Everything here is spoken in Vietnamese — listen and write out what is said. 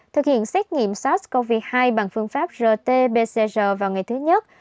thực hiện xét nghiệm sars cov hai bằng phương pháp rt pcr vào ngày thứ nhất